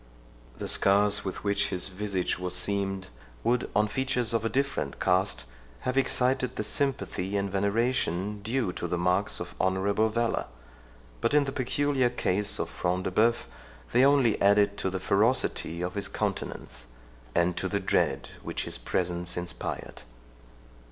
The scars with which his visage was seamed, would, on features of a different cast, have excited the sympathy and veneration due to the marks of honourable valour; but, in the peculiar case of Front de Bœuf, they only added to the ferocity of his countenance, and to the dread which his presence inspired.